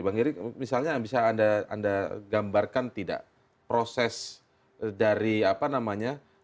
bang iri misalnya bisa anda gambarkan tidak proses dari apa namanya